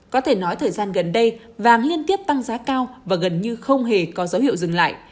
có thể nói thời gian gần đây vàng liên tiếp tăng giá cao và gần như không hề có dấu hiệu dừng lại